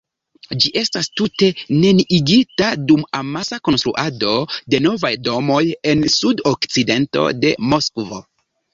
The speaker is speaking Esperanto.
Ĝi estas tute neniigita dum amasa konstruado de novaj domoj en sud-okcidento de Moskvo.